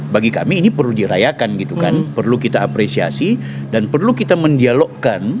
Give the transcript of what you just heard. bagi kami ini perlu dirayakan gitu kan perlu kita apresiasi dan perlu kita mendialogkan